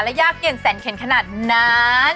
และยากเย็นแสนเข็นขนาดนั้น